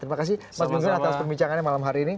terima kasih mas gunter atas perbincangannya malam hari ini